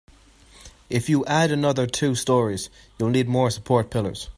If you add another two storeys, you'll need more support pillars.